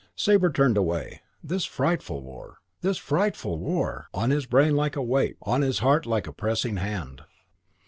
Sabre turned away. This frightful war.... CHAPTER VI I This frightful war! On his brain like a weight. On his heart like a pressing hand.